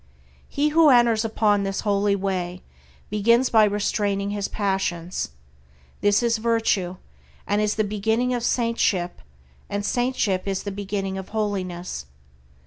He who enters upon this holy way begins by restraining his passions. This is virtue, and is the beginning of saintship, and saintship is the beginning of holiness.